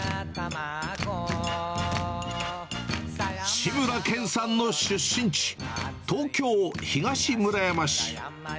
志村けんさんの出身地、東京・東村山市。